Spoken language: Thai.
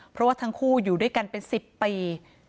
เพราะว่าทั้งคู่อยู่ด้วยกันเป็น๑๐ปี